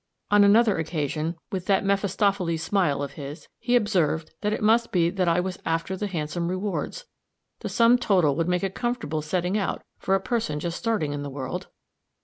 On another occasion, with that Mephistophiles smile of his, he observed that it must be that I was after the handsome rewards the sum total would make a comfortable setting out for a person just starting in the world.